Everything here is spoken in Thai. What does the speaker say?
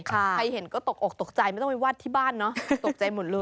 ใครเห็นก็ตกอกตกใจไม่ต้องไปวัดที่บ้านเนอะตกใจหมดเลย